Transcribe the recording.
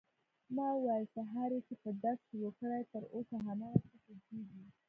ما وويل سهار يې چې په درد شروع کړى تر اوسه هماغسې خوږېږي.